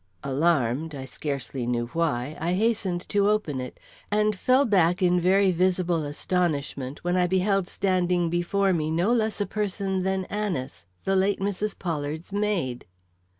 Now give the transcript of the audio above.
Alarmed, I scarcely knew why, I hastened to open it, and fell back in very visible astonishment when I beheld standing before me no less a person than Anice, the late Mrs. Pollard's maid.